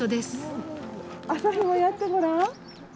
旭もやってごらん。